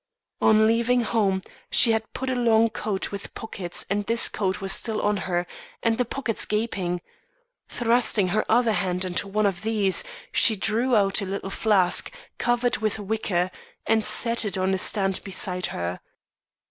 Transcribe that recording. "On leaving home, she had put on a long coat with pockets and this coat was still on her, and the pockets gaping. Thrusting her other hand into one of these, she drew out a little flask covered with wicker, and set it on a stand beside her.